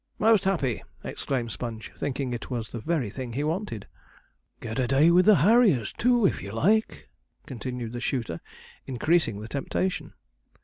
'Most happy!' exclaimed Sponge, thinking it was the very thing he wanted. 'Get a day with the harriers, too, if you like,' continued the shooter, increasing the temptation.